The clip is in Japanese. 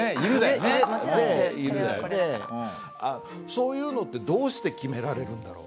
そういうのってどうして決められるんだろう。